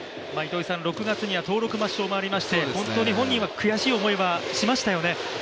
６月には登録抹消もありまして、本人は悔しい思いをしましたよね。